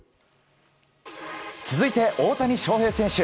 続いて、大谷翔平選手。